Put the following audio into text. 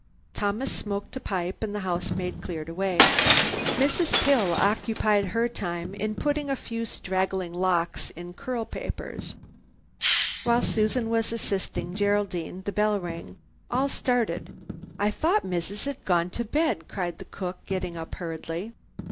Thomas smoked a pipe and the housemaid cleared away. Mrs. Pill occupied her time in putting her few straggling locks in curl papers. While Susan was assisting Geraldine, the bell rang. All started. "I thought missus had gone to bed," cried the cook, getting up hurriedly.